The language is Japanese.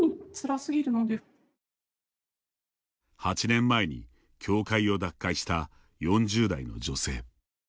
８年前に教会を脱会した４０代の女性。